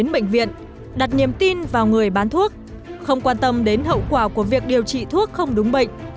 bệnh viện đặt niềm tin vào người bán thuốc không quan tâm đến hậu quả của việc điều trị thuốc không đúng bệnh